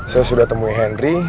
saya sudah temui henry